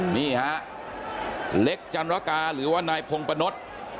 นี่ฮะเล็กจันรกาหรือว่านายพงปะนด